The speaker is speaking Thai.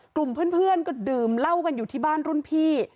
กลุ่มเพื่อนก็ดื่มเหล้ากันอยู่ที่บ้านรุ่นพี่